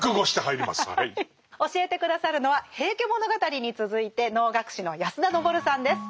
教えて下さるのは「平家物語」に続いて能楽師の安田登さんです。